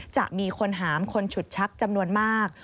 จะมีคนหามคนฉุดชักจำนวนมาก